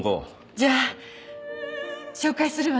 じゃあ紹介するわね。